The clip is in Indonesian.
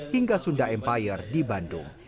hingga sunda empire di bandung